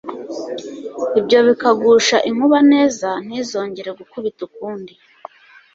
Ibyo bikagusha inkuba neza, ntizongere gukubita ukundi